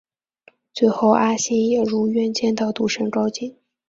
最后阿星也如愿见到赌神高进。